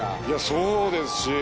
そうですし。